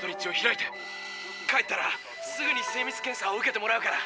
帰ったらすぐに精密検査を受けてもらうから。